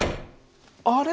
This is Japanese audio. あれ？